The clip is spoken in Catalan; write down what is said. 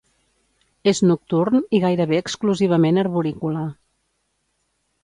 És nocturn i gairebé exclusivament arborícola.